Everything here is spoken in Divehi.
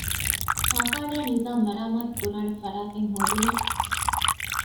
ފާޚާނާ ނިޒާމު މަރާމާތުކުރާނެ ފަރާތެއް ހޯދުމަށް